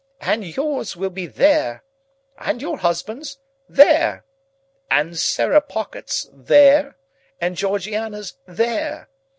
And yours will be there! And your husband's there! And Sarah Pocket's there! And Georgiana's there!